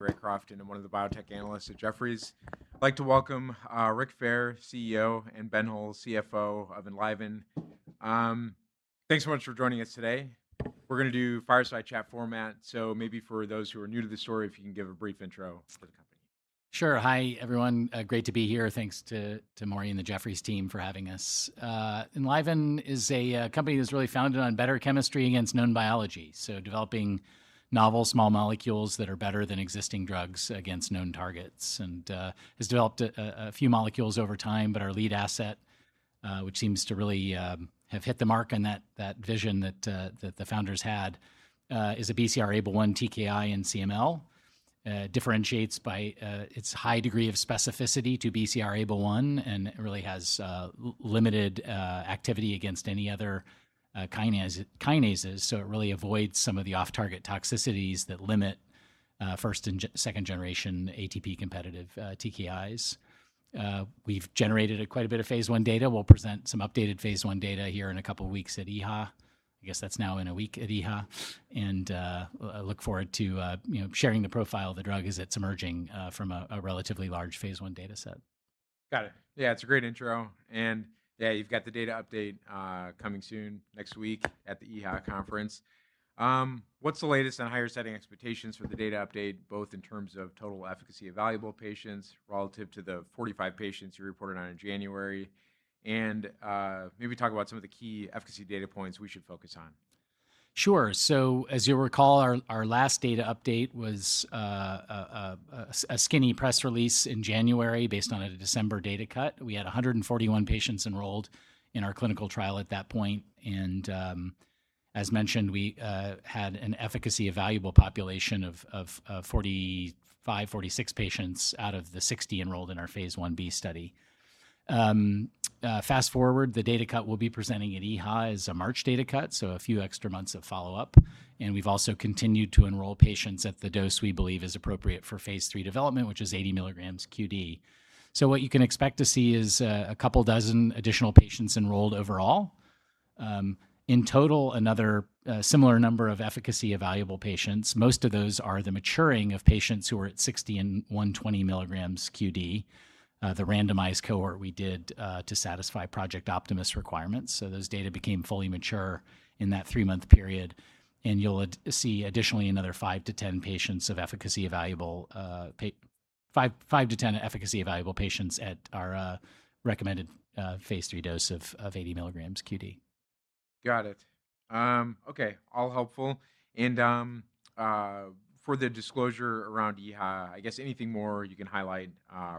Maury Raycroft, I'm one of the Biotech Analysts at Jefferies. I'd like to welcome, CEO, and Ben Hohl, CFO of Enliven. Thanks so much for joining us today. We're going to do fireside chat format, so maybe for those who are new to the story, if you can give a brief intro for the company. Sure. Hi, everyone. Great to be here. Thanks to Maury and the Jefferies team for having us. Enliven is a company that's really founded on better chemistry against known biology, so developing novel small molecules that are better than existing drugs against known targets, and has developed a few molecules over time, but our lead asset, which seems to really have hit the mark on that vision that the founders had, is a BCR-ABL1 TKI in CML. Differentiates by its high degree of specificity to BCR-ABL1, and it really has limited activity against any other kinases, so it really avoids some of the off-target toxicities that limit first and second generation ATP competitive TKIs. We've generated quite a bit of phase I data. We'll present some updated phase I data here in a couple of weeks at EHA. I guess that's now in a week at EHA, and I look forward to sharing the profile of the drug as it's emerging from a relatively large phase I data set. Got it. Yeah, it's a great intro, and you've got the data update coming soon next week at the EHA conference. What's the latest on higher setting expectations for the data update, both in terms of total efficacy evaluable patients relative to the 45 patients you reported on in January, and maybe talk about some of the key efficacy data points we should focus on. Sure. As you'll recall, our last data update was a skinny press release in January based on a December data cut. We had 141 patients enrolled in our clinical trial at that point, and as mentioned, we had an efficacy evaluable population of 45, 46 patients out of the 60 enrolled in our phase I-B study. Fast-forward, the data cut we'll be presenting at EHA is a March data cut, so a few extra months of follow-up, and we've also continued to enroll patients at the dose we believe is appropriate for phase III development, which is 80 mg QD. What you can expect to see is a couple dozen additional patients enrolled overall. In total, another similar number of efficacy evaluable patients. Most of those are the maturing of patients who are at 60 and 120 mg QD, the randomized cohort we did to satisfy Project Optimus requirements. Those data became fully mature in that three-month period, and you'll see additionally another 5-10 efficacy evaluable patients at our recommended phase III dose of 80 mg QD. Got it. Okay. All helpful. For the disclosure around EHA, I guess anything more you can highlight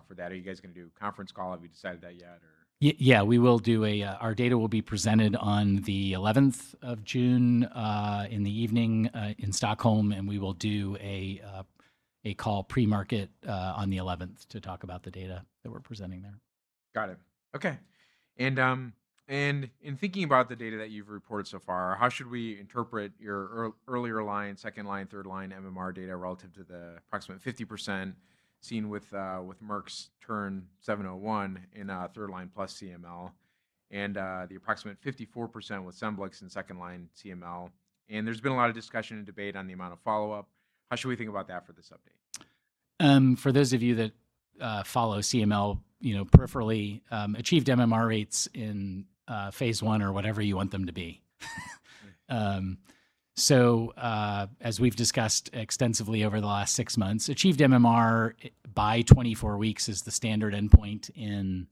for that? Are you guys going to do a conference call? Have you decided that yet? Our data will be presented on the 11th of June in the evening in Stockholm. We will do a call pre-market on the 11th to talk about the data that we're presenting there. Got it. Okay. In thinking about the data that you've reported so far, how should we interpret your earlier line, second line, third line MMR data relative to the approximate 50% seen with Merck's TERN-701 in third line plus CML, and the approximate 54% with SCEMBLIX in second line CML? There's been a lot of discussion and debate on the amount of follow-up. How should we think about that for this update? For those of you that follow CML peripherally, achieved MMR rates in phase I or whatever you want them to be. As we've discussed extensively over the last 6 months, achieved MMR by 24 weeks is the standard endpoint in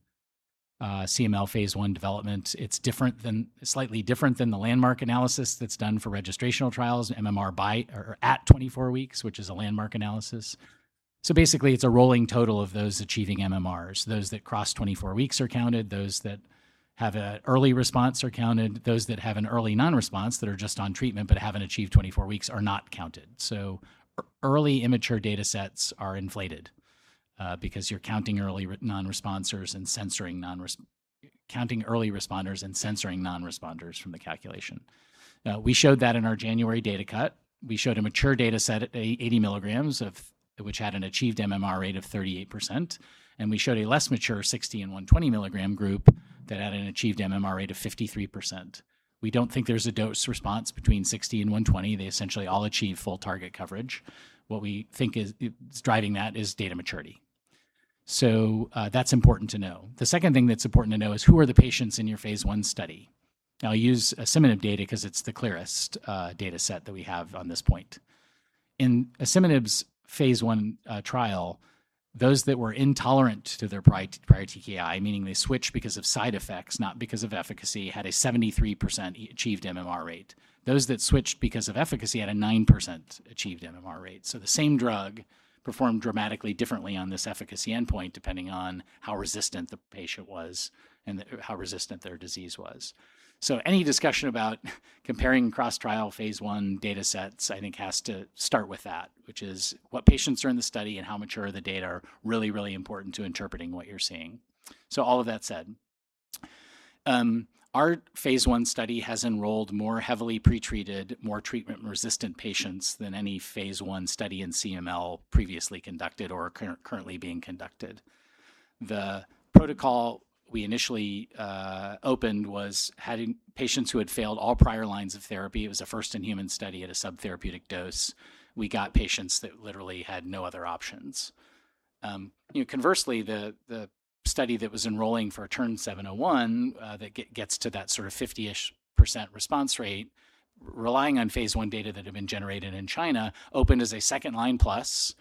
CML phase I development. It's slightly different than the landmark analysis that's done for registrational trials, MMR at 24 weeks, which is a landmark analysis. Basically, it's a rolling total of those achieving MMRs. Those that cross 24 weeks are counted, those that have an early response are counted, those that have an early non-response that are just on treatment but haven't achieved 24 weeks are not counted. Early immature data sets are inflated because you're counting early responders and censoring non-responders from the calculation. We showed that in our January data cut. We showed a mature data set at 80 mg, which had an achieved MMR rate of 38%, and we showed a less mature 60 mg and 120 mg group that had an achieved MMR rate of 53%. We don't think there's a dose response between 60 mg and 120 mg. They essentially all achieve full target coverage. What we think is driving that is data maturity. That's important to know. The second thing that's important to know is who are the patients in your phase I study? I'll use asciminib data because it's the clearest data set that we have on this point. In asciminib's phase I trial, those that were intolerant to their prior TKI, meaning they switched because of side effects, not because of efficacy, had a 73% achieved MMR rate. Those that switched because of efficacy had a 9% achieved MMR rate. The same drug performed dramatically differently on this efficacy endpoint, depending on how resistant the patient was and how resistant their disease was. Any discussion about comparing cross-trial phase I data sets, I think, has to start with that, which is what patients are in the study and how mature the data are really, really important to interpreting what you're seeing. All of that said, our phase I study has enrolled more heavily pre-treated, more treatment-resistant patients than any phase I study in CML previously conducted or currently being conducted. The protocol we initially opened was having patients who had failed all prior lines of therapy. It was a first-in-human study at a subtherapeutic dose. We got patients that literally had no other options. Conversely, the study that was enrolling for TERN-701, that gets to that sort of 50%-ish response rate, relying on phase I data that had been generated in China, opened as a second-line plus.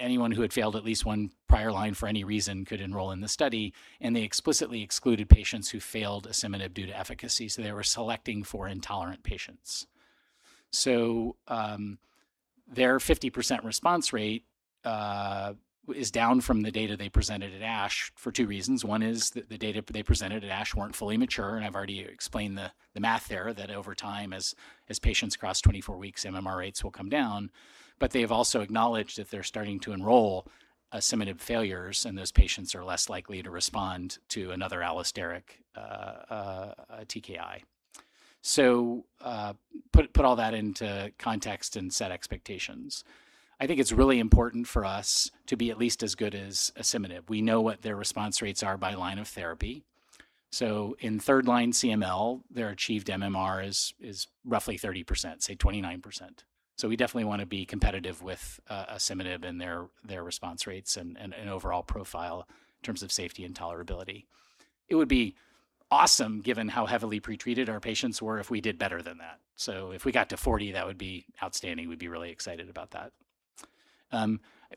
Anyone who had failed at least one prior line for any reason could enroll in the study, and they explicitly excluded patients who failed asciminib due to efficacy, so they were selecting for intolerant patients. Their 50% response rate is down from the data they presented at ASH for two reasons. One is that the data they presented at ASH weren't fully mature, and I've already explained the math there, that over time, as patients cross 24 weeks, MMR rates will come down. They've also acknowledged that they're starting to enroll asciminib failures, and those patients are less likely to respond to another allosteric TKI. Put all that into context and set expectations. I think it's really important for us to be at least as good as asciminib. We know what their response rates are by line of therapy. In third line CML, their achieved MMR is roughly 30%, say 29%. We definitely want to be competitive with asciminib and their response rates and overall profile in terms of safety and tolerability. It would be awesome, given how heavily pre-treated our patients were, if we did better than that. If we got to 40%, that would be outstanding. We'd be really excited about that.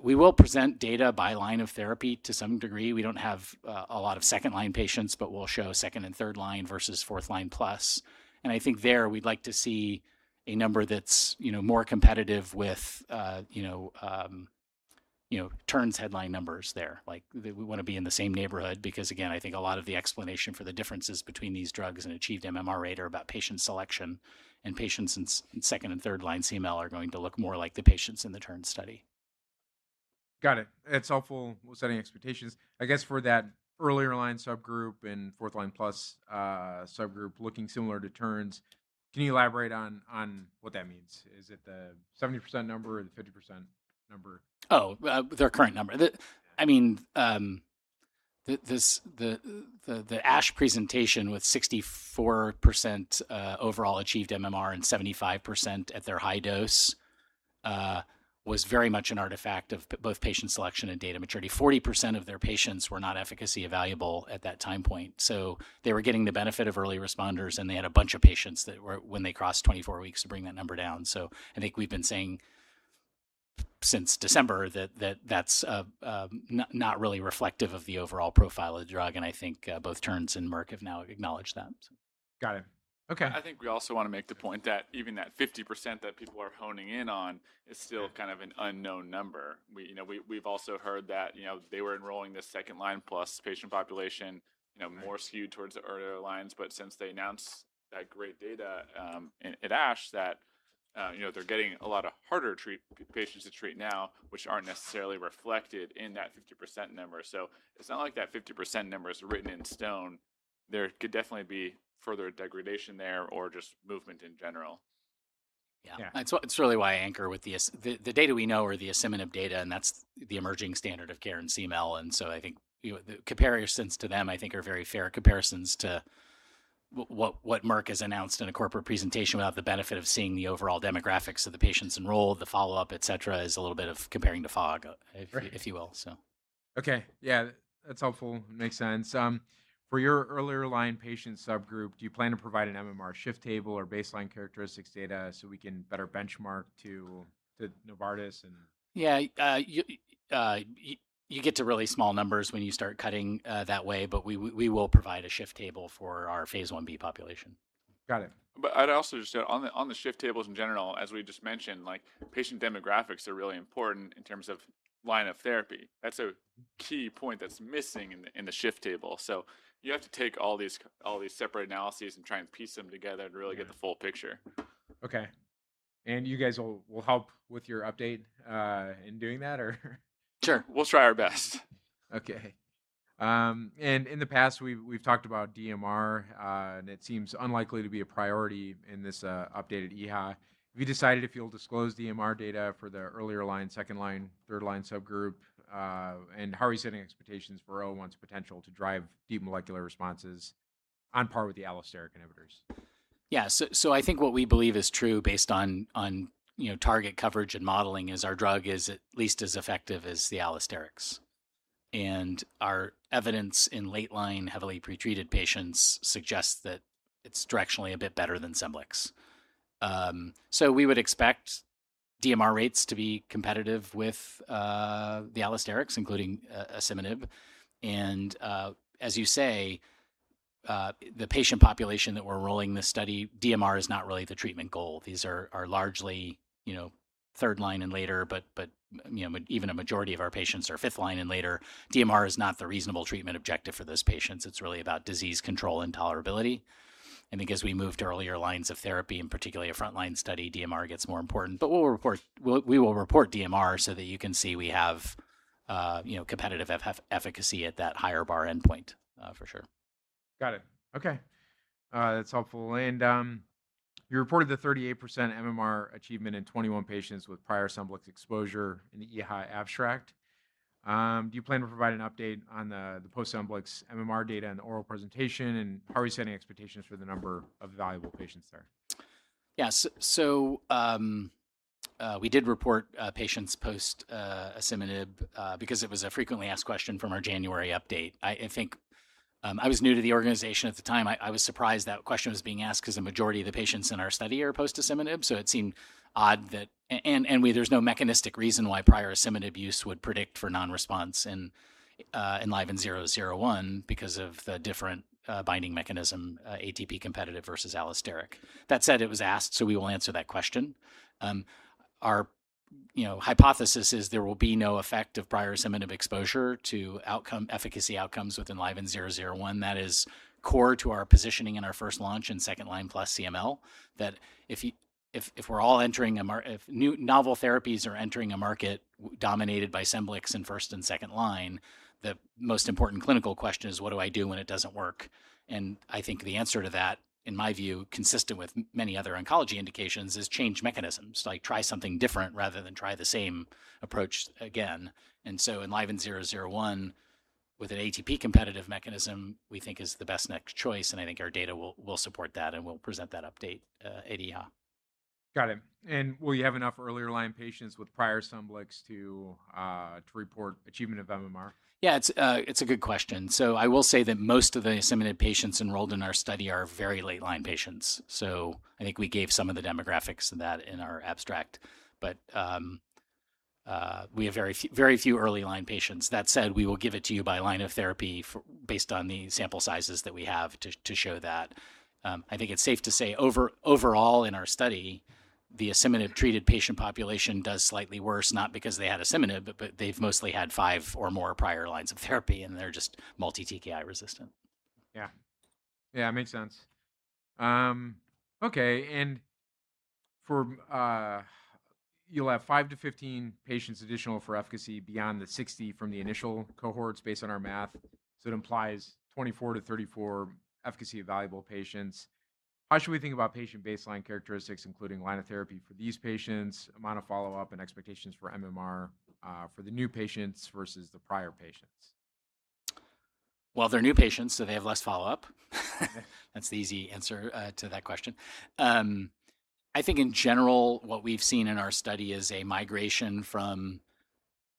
We will present data by line of therapy to some degree. We don't have a lot of 2-line patients, but we'll show second and third line versus fourth line plus. I think there we'd like to see a number that's more competitive with Terns' headline numbers there. We want to be in the same neighborhood because, again, I think a lot of the explanation for the differences between these drugs and achieved MMR rate are about patient selection, and patients in second and third line CML are going to look more like the patients in the Terns study. Got it. That's helpful with setting expectations. I guess for that earlier line subgroup and fourth line plus subgroup looking similar to Terns', can you elaborate on what that means? Is it the 70% number or the 50% number? Oh, their current number. The ASH presentation with 64% overall achieved MMR and 75% at their high dose was very much an artifact of both patient selection and data maturity. 40% of their patients were not efficacy evaluable at that time point. They were getting the benefit of early responders, and they had a bunch of patients that when they crossed 24 weeks to bring that number down. I think we've been saying since December that that's not really reflective of the overall profile of the drug, and I think both Terns' and Merck have now acknowledged that. Got it. Okay. I think we also want to make the point that even that 50% that people are honing in on is still an unknown number. We've also heard that they were enrolling this second-line plus patient population more skewed towards the earlier lines, but since they announced that great data at ASH that they're getting a lot of harder patients to treat now, which aren't necessarily reflected in that 50% number. It's not like that 50% number is written in stone. There could definitely be further degradation there or just movement in general. Yeah. Yeah. That's really why I anchor with the data we know are the asciminib data, and that's the emerging standard of care in CML, and so I think the comparisons to them, I think, are very fair comparisons to what Merck has announced in a corporate presentation without the benefit of seeing the overall demographics of the patients enrolled, the follow-up, et cetera, is a little bit of comparing to fog, if you will. Okay. Yeah. That's helpful. Makes sense. For your earlier line patient subgroup, do you plan to provide an MMR shift table or baseline characteristics data so we can better benchmark to Novartis and Yeah. You get to really small numbers when you start cutting that way, but we will provide a shift table for our phase I-B population. Got it. I'd also just add, on the shift tables in general, as we just mentioned, patient demographics are really important in terms of line of therapy. That's a key point that's missing in the shift table. You have to take all these separate analyses and try and piece them together to really get the full picture. Okay. You guys will help with your update in doing that, or? Sure. We'll try our best. Okay. In the past, we've talked about DMR, and it seems unlikely to be a priority in this updated EHA. Have you decided if you'll disclose DMR data for the earlier line, second line, third line subgroup? How are you setting expectations for ELVN-001's potential to drive deep molecular responses on par with the allosteric inhibitors? I think what we believe is true based on target coverage and modeling is our drug is at least as effective as the allosterics. Our evidence in late line, heavily pre-treated patients suggests that it's directionally a bit better than SCEMBLIX. We would expect DMR rates to be competitive with the allosterics, including asciminib, and as you say, the patient population that we're enrolling this study, DMR is not really the treatment goal. These are largely third line and later, even a majority of our patients are fifth line and later. DMR is not the reasonable treatment objective for those patients. It's really about disease control and tolerability. Because we moved to earlier lines of therapy, and particularly a frontline study, DMR gets more important. We will report DMR so that you can see we have competitive efficacy at that higher bar endpoint, for sure. Got it. Okay. That's helpful. You reported the 38% MMR achievement in 21 patients with prior SCEMBLIX exposure in the EHA abstract. Do you plan to provide an update on the post-SCEMBLIX MMR data in the oral presentation, and are we setting expectations for the number of evaluable patients there? Yes. We did report patients post-asciminib because it was a frequently asked question from our January update. I was new to the organization at the time. I was surprised that question was being asked because the majority of the patients in our study are post-asciminib, and there's no mechanistic reason why prior asciminib use would predict for non-response in ELVN-001 because of the different binding mechanism, ATP competitive versus allosteric. That said, it was asked, so we will answer that question. Our hypothesis is there will be no effect of prior asciminib exposure to efficacy outcomes with ELVN-001. That is core to our positioning in our first launch and second-line plus CML, that if novel therapies are entering a market dominated by SCEMBLIX in first and second-line, the most important clinical question is what do I do when it doesn't work? I think the answer to that, in my view, consistent with many other oncology indications, is change mechanisms, try something different rather than try the same approach again. ELVN-001 with an ATP competitive mechanism, we think is the best next choice, and I think our data will support that, and we'll present that update at EHA. Got it. Will you have enough earlier line patients with prior SCEMBLIX to report achievement of MMR? Yeah, it's a good question. I will say that most of the asciminib patients enrolled in our study are very late-line patients. I think we gave some of the demographics of that in our abstract. We have very few early-line patients. That said, we will give it to you by line of therapy based on the sample sizes that we have to show that. I think it's safe to say overall in our study, the asciminib-treated patient population does slightly worse, not because they had asciminib, but they've mostly had five or more prior lines of therapy, and they're just multi-TKI resistant. Yeah. Makes sense. Okay. You'll have 5-15 patients additional for efficacy beyond the 60 from the initial cohorts based on our math. It implies 24-34 efficacy evaluable patients. How should we think about patient baseline characteristics, including line of therapy for these patients, amount of follow-up, and expectations for MMR for the new patients versus the prior patients? They're new patients, so they have less follow-up. That's the easy answer to that question. I think in general what we've seen in our study is a migration from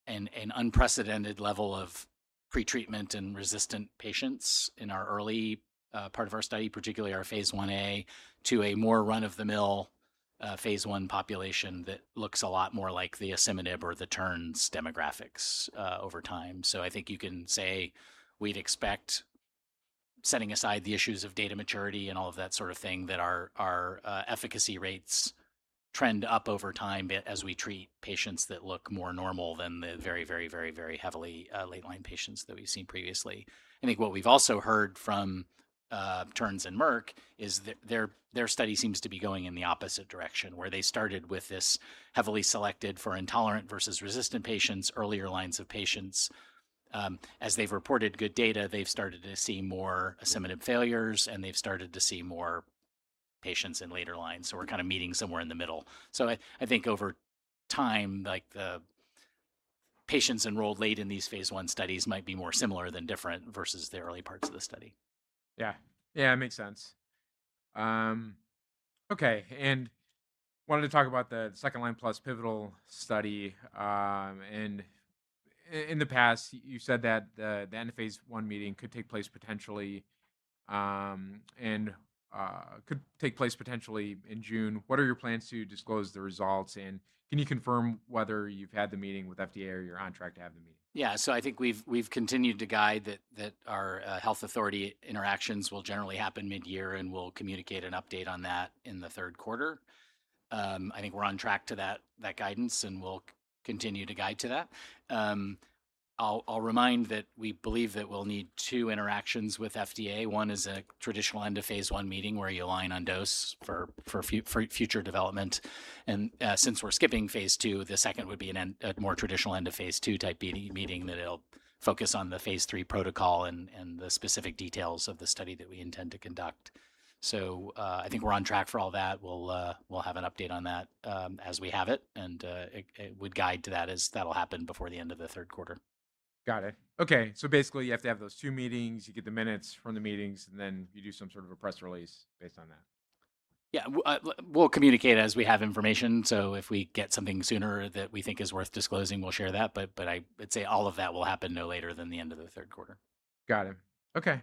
an unprecedented level of pre-treatment in resistant patients in our early part of our study, particularly our phase I-A, to a more run-of-the-mill phase I population that looks a lot more like the asciminib or the Terns demographics over time. I think you can say we'd expect, setting aside the issues of data maturity and all of that sort of thing, that our efficacy rates trend up over time as we treat patients that look more normal than the very heavily late-line patients that we've seen previously. I think what we've also heard from Terns and Merck is their study seems to be going in the opposite direction, where they started with this heavily selected for intolerant versus resistant patients, earlier lines of patients. As they've reported good data, they've started to see more asciminib failures, and they've started to see more patients in later lines. We're meeting somewhere in the middle. I think over time, the patients enrolled late in these phase I studies might be more similar than different versus the early parts of the study. Yeah. Makes sense. Okay, wanted to talk about the second-line plus pivotal study. In the past, you said that the end of phase I meeting could take place potentially in June. What are your plans to disclose the results, and can you confirm whether you've had the meeting with FDA or you're on track to have the meeting? Yeah. I think we've continued to guide that our health authority interactions will generally happen mid-year, and we'll communicate an update on that in the third quarter. I think we're on track to that guidance, and we'll continue to guide to that. I'll remind that we believe that we'll need two interactions with FDA. One is a traditional end of phase I meeting where you align on dose for future development. Since we're skipping phase II, the second would be a more traditional end of phase II type meeting that it'll focus on the phase III protocol and the specific details of the study that we intend to conduct. I think we're on track for all that. We'll have an update on that as we have it, and would guide to that as that'll happen before the end of the third quarter. Got it. Okay, basically you have to have those two meetings, you get the minutes from the meetings, and then you do some sort of a press release based on that. We'll communicate as we have information, so if we get something sooner that we think is worth disclosing, we'll share that, but I would say all of that will happen no later than the end of the third quarter. Got it. Okay.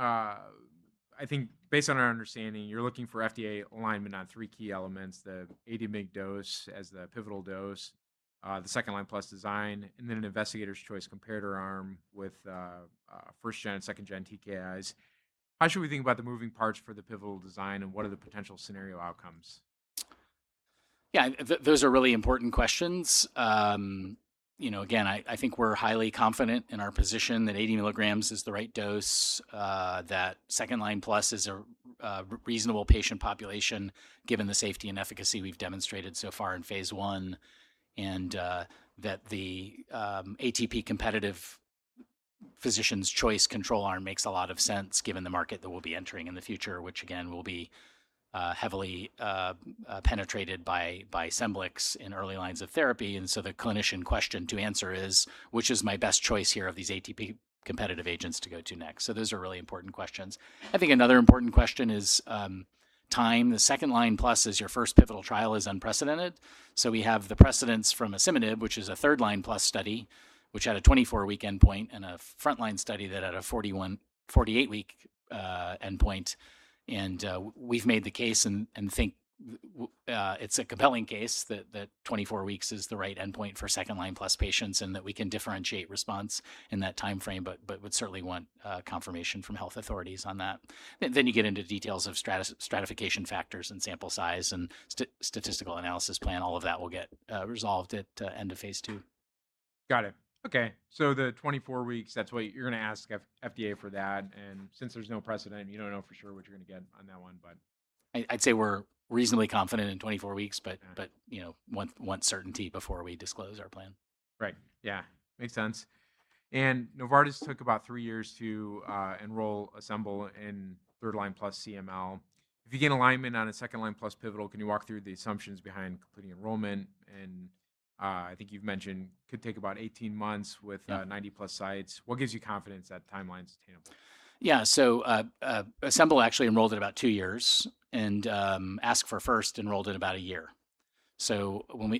I think based on our understanding, you're looking for FDA alignment on three key elements, the 80 mg dose as the pivotal dose, the second-line plus design, and then an investigator's choice comparator arm with first-gen and second-gen TKIs. How should we think about the moving parts for the pivotal design, and what are the potential scenario outcomes? Yeah, those are really important questions. Again, I think we're highly confident in our position that 80 mg is the right dose, that second-line plus is a reasonable patient population given the safety and efficacy we've demonstrated so far in phase I, and that the ATP-competitive physician's choice control arm makes a lot of sense given the market that we'll be entering in the future, which again, will be heavily penetrated by SCEMBLIX in early lines of therapy. The clinician question to answer is, which is my best choice here of these ATP-competitive agents to go to next? Those are really important questions. I think another important question is time. The second line plus as your first pivotal trial is unprecedented. We have the precedence from asciminib, which is a third line plus study, which had a 24-week endpoint and a front line study that had a 48-week endpoint. We've made the case and think it's a compelling case that 24 weeks is the right endpoint for second line plus patients, and that we can differentiate response in that timeframe, but would certainly want confirmation from health authorities on that. You get into details of stratification factors and sample size and statistical analysis plan. All of that will get resolved at end of phase II. Okay, the 24 weeks, you're going to ask FDA for that. Since there's no precedent, you don't know for sure what you're going to get on that one. I'd say we're reasonably confident in 24 weeks, but want certainty before we disclose our plan. Right. Yeah. Makes sense. Novartis took about three years to enroll ASCEMBL and third line plus CML. If you gain alignment on a second line plus pivotal, can you walk through the assumptions behind completing enrollment? I think you've mentioned could take about 18 months. Yeah 90 plus sites. What gives you confidence that timeline's attainable? Yeah. ASCEMBL actually enrolled in about two years, and ASC4FIRST enrolled in about a year.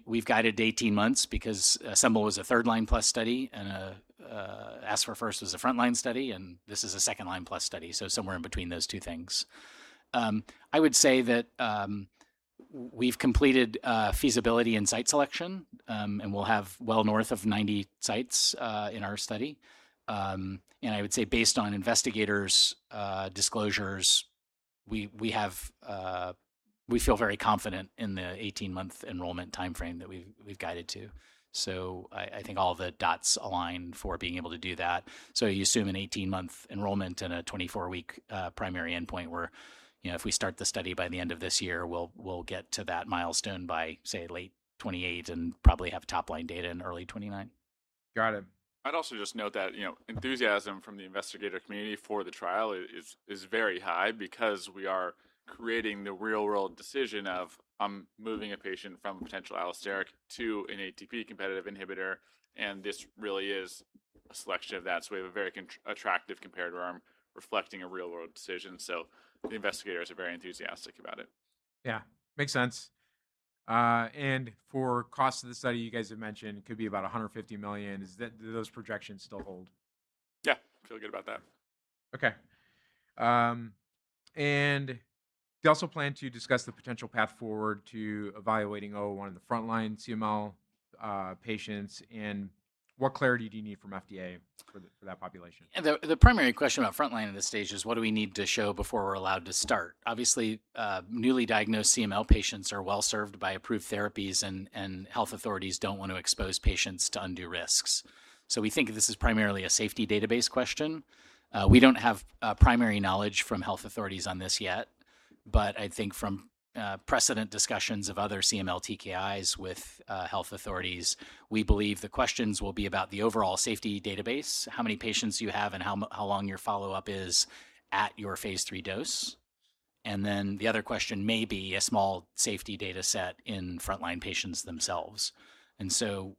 We've guided 18 months because ASCEMBL was a third-line plus study and ASC4FIRST was a front-line study, and this is a second-line plus study, so somewhere in between those two things. I would say that we've completed feasibility and site selection, and we'll have well north of 90 sites in our study. I would say based on investigators' disclosures, we feel very confident in the 18-month enrollment timeframe that we've guided to. I think all the dots align for being able to do that. You assume an 18-month enrollment and a 24-week primary endpoint where if we start the study by the end of this year, we'll get to that milestone by, say, late 2028 and probably have top-line data in early 2029. Got it. I'd also just note that enthusiasm from the investigator community for the trial is very high because we are creating the real-world decision of, I'm moving a patient from potential allosteric to an ATP-competitive inhibitor, and this really is a selection of that. We have a very attractive comparator arm reflecting a real-world decision, so the investigators are very enthusiastic about it. Yeah. Makes sense. For cost of the study, you guys have mentioned could be about $150 million. Do those projections still hold? Yeah. Feel good about that. Okay. You also plan to discuss the potential path forward to evaluating 01 in the frontline CML patients. What clarity do you need from FDA for that population? The primary question about frontline in this stage is what do we need to show before we're allowed to start? Obviously, newly diagnosed CML patients are well-served by approved therapies, and health authorities don't want to expose patients to undue risks. We think this is primarily a safety database question. We don't have primary knowledge from health authorities on this yet, but I think from precedent discussions of other CML TKIs with health authorities, we believe the questions will be about the overall safety database, how many patients you have, and how long your follow-up is at your phase III dose. The other question may be a small safety data set in frontline patients themselves.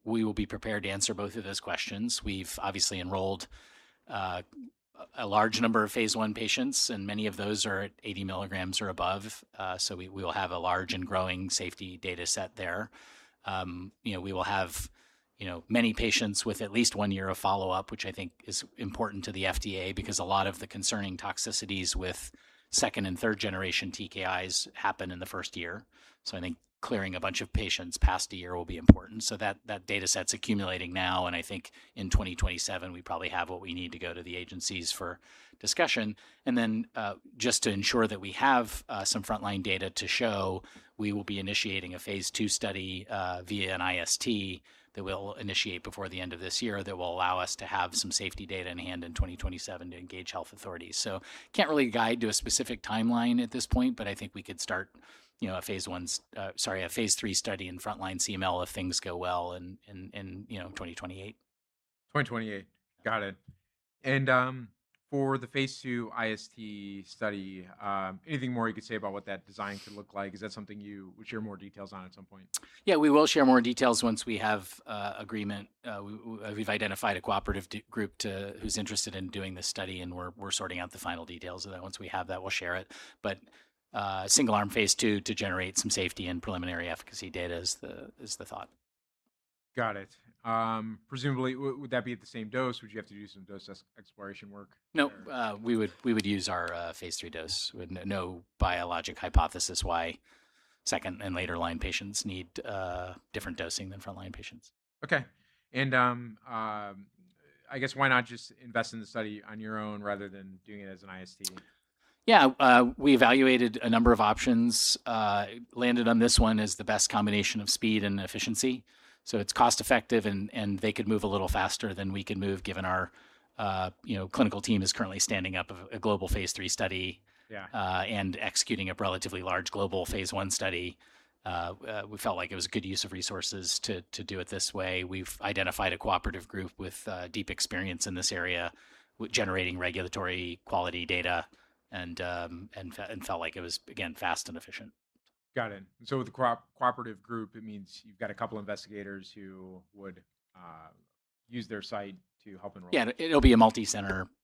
We will be prepared to answer both of those questions. We've obviously enrolled a large number of phase I patients, and many of those are at 80 mg or above. We will have a large and growing safety data set there. We will have many patients with at least one year of follow-up, which I think is important to the FDA because a lot of the concerning toxicities with second and third-generation TKIs happen in the first year. I think clearing a bunch of patients past a year will be important. That data set's accumulating now, and I think in 2027, we probably have what we need to go to the agencies for discussion. Just to ensure that we have some frontline data to show, we will be initiating a phase II study via an IST that we'll initiate before the end of this year that will allow us to have some safety data in hand in 2027 to engage health authorities. Can't really guide to a specific timeline at this point, but I think we could start a phase III study in frontline CML if things go well in 2028. 2028. Got it. For the phase II IST study, anything more you could say about what that design could look like? Is that something you would share more details on at some point? We will share more details once we have agreement. We've identified a cooperative group who's interested in doing this study, and we're sorting out the final details of that. Once we have that, we'll share it. Single arm phase II to generate some safety and preliminary efficacy data is the thought. Got it. Presumably, would that be at the same dose? Would you have to do some dose exploration work? No. We would use our phase III dose. No biologic hypothesis why second and later line patients need different dosing than front line patients. Okay. I guess why not just invest in the study on your own rather than doing it as an IST? Yeah. We evaluated a number of options, landed on this one as the best combination of speed and efficiency. It's cost-effective, and they could move a little faster than we could move given our clinical team is currently standing up a global phase III study. Yeah Executing a relatively large global phase I study. We felt like it was a good use of resources to do it this way. We've identified a cooperative group with deep experience in this area with generating regulatory quality data and felt like it was, again, fast and efficient. Got it. With the cooperative group, it means you've got a couple investigators who would use their site to help enroll patients. Yeah. It'll be a multi-center- Yeah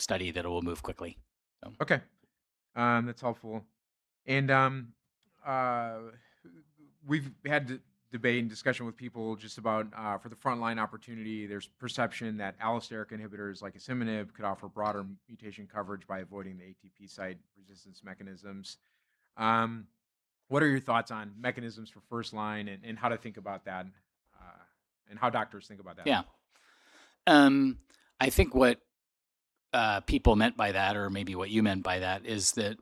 study that will move quickly. Okay. That's helpful. We've had debate and discussion with people just about for the frontline opportunity, there's perception that allosteric inhibitors like asciminib could offer broader mutation coverage by avoiding the ATP site resistance mechanisms. What are your thoughts on mechanisms for first-line and how to think about that, and how doctors think about that? Yeah. I think what people meant by that, or maybe what you meant by that, is that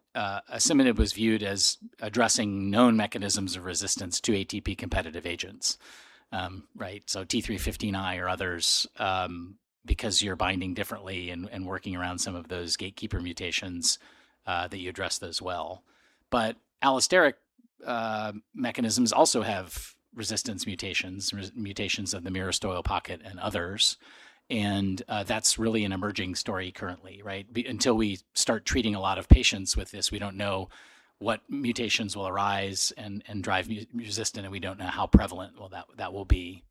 asciminib was viewed as addressing known mechanisms of resistance to ATP competitive agents. Right, T315I or others, because you're binding differently and working around some of those gatekeeper mutations, that you address those well. Allosteric mechanisms also have resistance mutations of the myristoyl pocket and others, and that's really an emerging story currently, right? Until we start treating a lot of patients with this, we don't know what mutations will arise and drive resistance, and we don't know how prevalent that will be.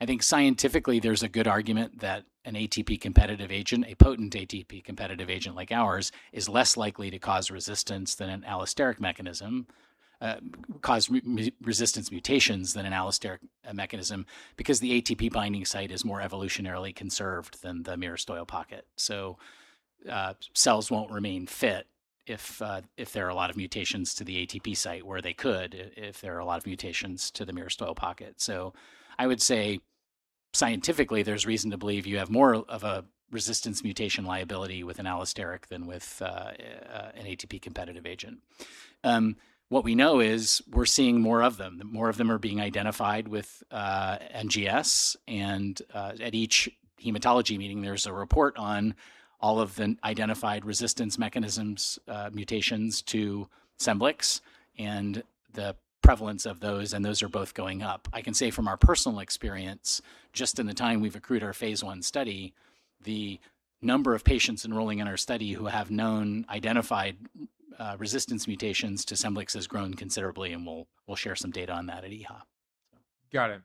I think scientifically, there's a good argument that an ATP competitive agent, a potent ATP competitive agent like ours, is less likely to cause resistance mutations than an allosteric mechanism, because the ATP binding site is more evolutionarily conserved than the myristoyl pocket. Cells won't remain fit if there are a lot of mutations to the ATP site where they could if there are a lot of mutations to the myristoyl pocket. I would say scientifically, there's reason to believe you have more of a resistance mutation liability with an allosteric than with an ATP competitive agent. What we know is we're seeing more of them. More of them are being identified with NGS and at each hematology meeting, there's a report on all of the identified resistance mechanisms, mutations to SCEMBLIX and the prevalence of those, and those are both going up. I can say from our personal experience, just in the time we've accrued our phase I study, the number of patients enrolling in our study who have known identified resistance mutations to SCEMBLIX has grown considerably, and we'll share some data on that at EHA. Got it.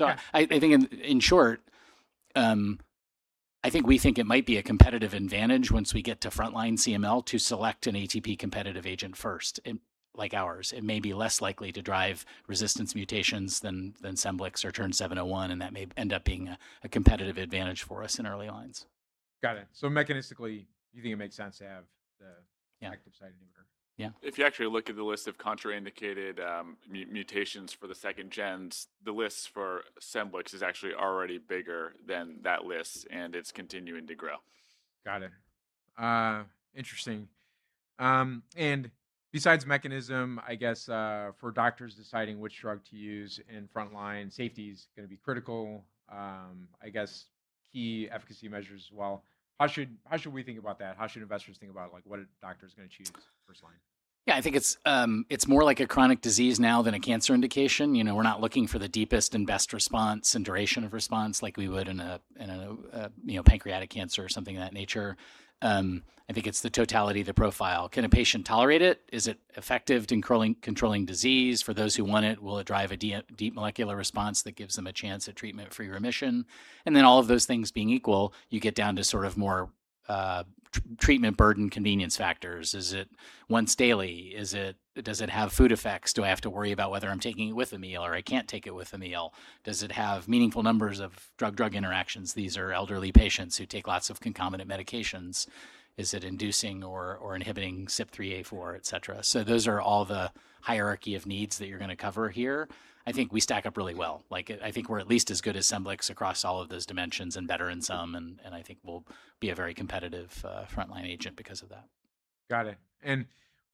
Okay. I think in short, we think it might be a competitive advantage once we get to frontline CML to select an ATP competitive agent first, like ours. It may be less likely to drive resistance mutations than SCEMBLIX or TERN-701, and that may end up being a competitive advantage for us in early lines. Got it. Mechanistically, you think it makes sense to have the? Yeah active site inhibitor. Yeah. If you actually look at the list of contraindicated mutations for the second gens, the list for SCEMBLIX is actually already bigger than that list, and it's continuing to grow. Got it. Interesting. Besides mechanism, I guess for doctors deciding which drug to use in frontline, safety's going to be critical. I guess key efficacy measures as well. How should we think about that? How should investors think about what a doctor's going to choose first line? Yeah, I think it's more like a chronic disease now than a cancer indication. We're not looking for the deepest and best response and duration of response like we would in a pancreatic cancer or something of that nature. I think it's the totality of the profile. Can a patient tolerate it? Is it effective controlling disease for those who want it? Will it drive a deep molecular response that gives them a chance at treatment-free remission? Then all of those things being equal, you get down to more treatment burden convenience factors. Is it once daily? Does it have food effects? Do I have to worry about whether I'm taking it with a meal or I can't take it with a meal? Does it have meaningful numbers of drug interactions? These are elderly patients who take lots of concomitant medications. Is it inducing or inhibiting CYP3A4, et cetera? Those are all the hierarchy of needs that you're going to cover here. I think we stack up really well. I think we're at least as good as SCEMBLIX across all of those dimensions and better in some. I think we'll be a very competitive frontline agent because of that. Got it.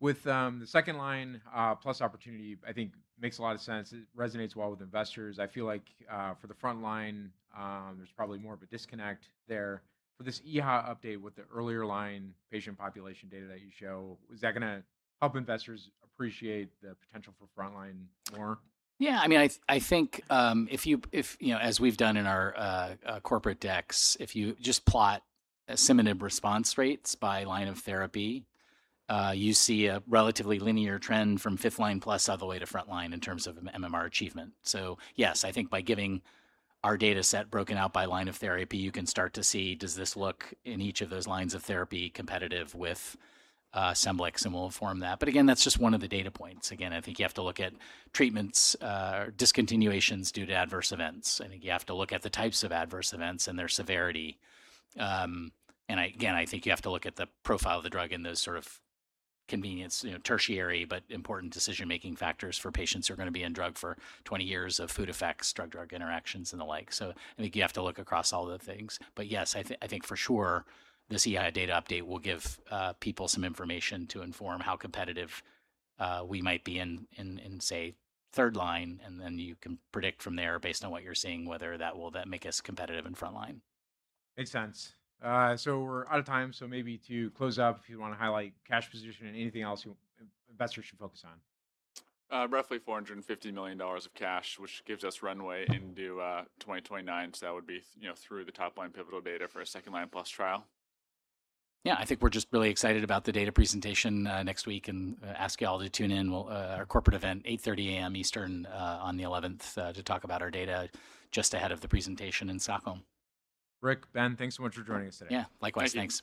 With the second line plus opportunity, I think makes a lot of sense. It resonates well with investors. I feel like for the frontline, there's probably more of a disconnect there. For this EHA update with the earlier line patient population data that you show, is that going to help investors appreciate the potential for frontline more? Yeah. I think as we've done in our corporate decks, if you just plot asciminib response rates by line of therapy, you see a relatively linear trend from fifth line plus all the way to front line in terms of MMR achievement. Yes, I think by giving our dataset broken out by line of therapy, you can start to see does this look, in each of those lines of therapy, competitive with SCEMBLIX, and we'll inform that. Again, that's just one of the data points. I think you have to look at treatments, discontinuations due to adverse events. I think you have to look at the types of adverse events and their severity. Again, I think you have to look at the profile of the drug and those sort of convenience, tertiary, but important decision-making factors for patients who are going to be on drug for 20 years of food effects, drug interactions, and the like. I think you have to look across all the things. Yes, I think for sure this EHA data update will give people some information to inform how competitive we might be in, say, third line, and then you can predict from there, based on what you're seeing, whether that will then make us competitive in frontline. Makes sense. We're out of time, so maybe to close up, if you want to highlight cash position and anything else investors should focus on? Roughly $450 million of cash, which gives us runway into 2029. That would be through the top line pivotal data for a second line plus trial. Yeah, I think we're just really excited about the data presentation next week and ask you all to tune in our corporate event, 8:30 A.M. Eastern on the 11th, to talk about our data just ahead of the presentation in Stockholm. Rick, Ben, thanks so much for joining us today. Yeah, likewise. Thanks.